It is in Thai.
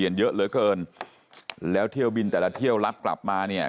เยอะเหลือเกินแล้วเที่ยวบินแต่ละเที่ยวรับกลับมาเนี่ย